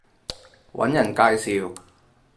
搵人介紹